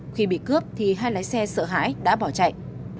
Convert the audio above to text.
khi bị cướp thì hai lái xe sợ hãi đã bỏ chạy